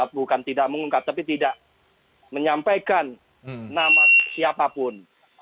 bukan tidak mengungkap tapi tidak menyampaikan nama siapapun